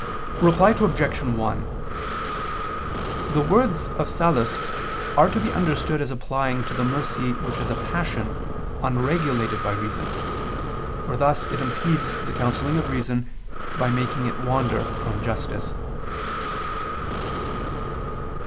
Reply Obj. 1: The words of Sallust are to be understood as applying to the mercy which is a passion unregulated by reason: for thus it impedes the counselling of reason, by making it wander from justice.